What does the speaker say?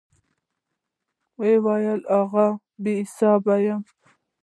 وی ویل آغلې , بي حساب یمه